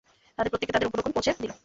তাদের প্রত্যেককে তাদের উপঢৌকন পৌঁছে দিল।